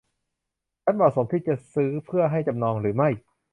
ฉันเหมาะสมที่จะซื้อเพื่อให้จำนองหรือไม่